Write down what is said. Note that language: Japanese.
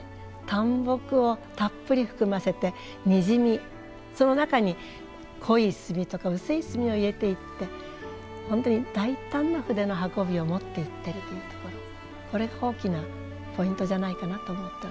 淡墨をたっぷり含ませてにじみその中に濃い墨とか薄い墨を入れていって本当に大胆な筆の運びを持っていってるというところこれが大きなポイントじゃないかなと思っております。